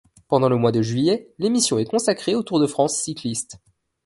Pendant le mois de juillet, l'émission est consacrée au Tour de France cycliste.